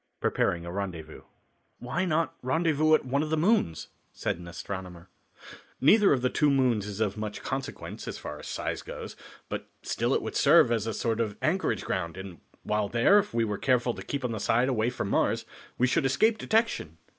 Preparing a Rendezvous. "Why not rendezvous at one of the moons?" said an astronomer. "Neither of the two moons is of much consequence, as far as size goes, but still it would serve as a sort of anchorage ground, and while there, if we were careful to keep on the side away from Mars, we should escape detection."